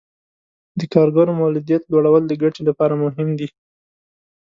د کارګرو مولدیت لوړول د ګټې لپاره مهم دي.